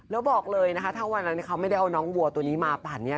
แล้วบอกเลยนะคะถ้าวันนั้นเขาไม่ได้เอาน้องวัวตัวนี้มาปั่นเนี่ย